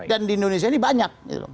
dan di indonesia ini banyak